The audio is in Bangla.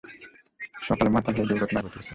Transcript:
সকালে মাতাল হয়ে দুর্ঘটনা ঘটিয়েছে।